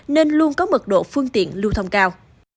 nên luôn có mật độ phương tiện lưu thông cao